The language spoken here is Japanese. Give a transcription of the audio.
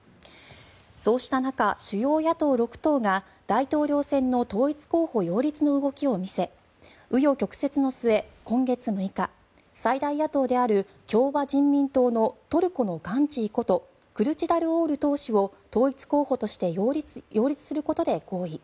そうした中、主要野党６党が大統領選の統一候補擁立の動きを見せ紆余曲折の末、今月６日最大野党である共和人民党のトルコのガンジーことクルチダルオール氏を統一候補として擁立することで合意。